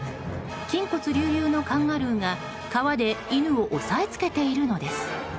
筋骨隆々のカンガルーが、川で犬を押さえつけているのです。